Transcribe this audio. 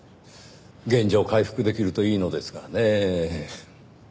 原状回復できるといいのですがねぇ。